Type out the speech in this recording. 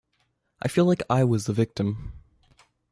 I felt like I was the victim.